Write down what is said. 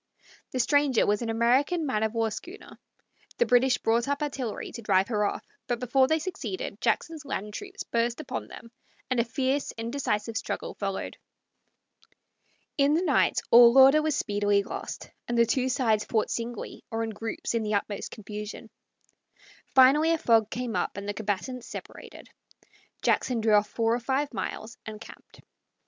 The stranger was an American man of war schooner. The British brought up artillery to drive her off, but before they succeeded Jackson's land troops burst upon them, and a fierce, indecisive struggle followed. In the night all order was speedily lost, and the two sides fought singly or in groups in the utmost confusion. Finally a fog came up and the combatants separated. Jackson drew off four or five miles and camped.